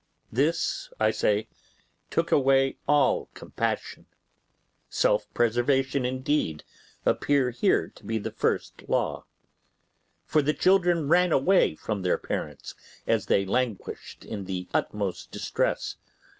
This, I say, took away all compassion; self preservation, indeed, appeared here to be the first law. For the children ran away from their parents as they languished in the utmost distress.